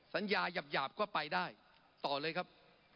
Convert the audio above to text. สัญญาหยาบก็ไปได้ต่อเลยครับ